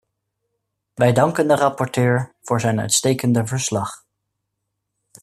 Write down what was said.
Wij danken de rapporteur voor zijn uitstekende verslag.